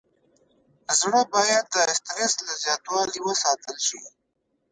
زړه باید د استرس له زیاتوالي وساتل شي.